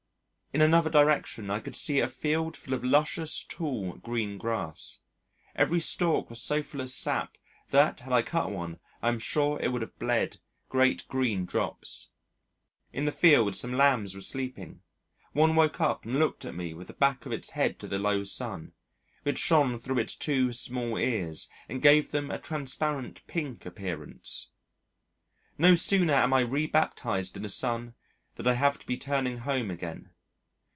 In another direction I could see a field full of luscious, tall, green grass. Every stalk was so full of sap that had I cut one I am sure it would have bled great green drops. In the field some lambs were sleeping; one woke up and looked at me with the back of its head to the low sun, which shone through its two small ears and gave them a transparent pink appearance. No sooner am I rebaptized in the sun than I have to be turning home again.